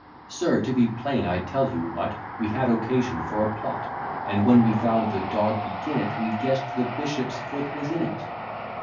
Sir, to be plain, I tell you what, We had occasion for a plot; And when we found the dog begin it, We guess'd the bishop's foot was in it.